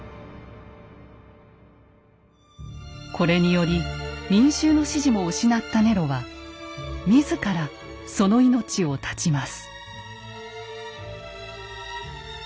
これにより民衆の支持も失ったネロは自らその命を絶ちます。